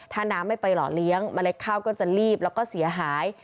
ถ้าน้ำไม่ไปหล่อเลี้ยงเมล็ดข้าวก็จะรีบแล้วก็เสียหาย